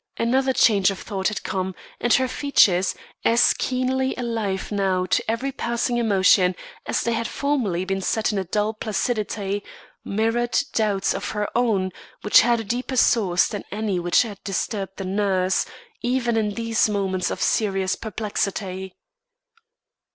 Another change of thought had come, and her features, as keenly alive now to every passing emotion as they had formerly been set in a dull placidity, mirrored doubts of her own, which had a deeper source than any which had disturbed the nurse, even in these moments of serious perplexity.